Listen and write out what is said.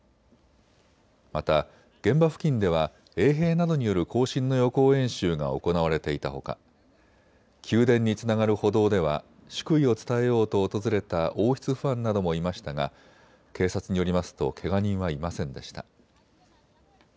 また現場付近では衛兵などによる行進の予行演習が行われていたほか宮殿につながる歩道では祝意を伝えようと訪れた王室ファンなどもいましたが警察によりますとけが人はいませんでした。